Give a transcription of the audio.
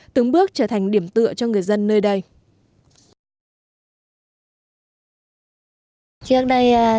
từng bước trở thành điểm tựa cho người dân nơi đây